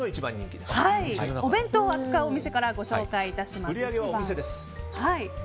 お弁当を扱うお店からご紹介いたします。